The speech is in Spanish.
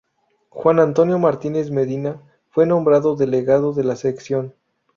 Juan Antonio Martínez Medina fue nombrado delegado de la sección.